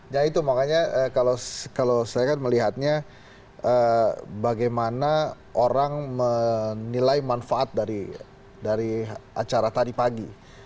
ya itu makanya kalau saya kan melihatnya bagaimana orang menilai manfaat dari acara tadi pagi